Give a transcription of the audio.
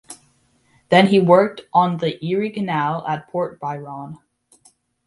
Then he worked on the Erie Canal at Port Byron.